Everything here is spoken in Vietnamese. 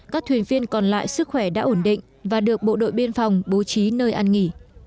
các thuyền viên còn lại sức khỏe đã ổn định và được bộ đội biên phòng bố trí nơi ăn nghỉ